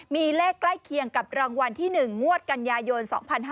มีเลขใกล้เคียงกับรางวัลที่๑งวดกันยายน๒๕๕๙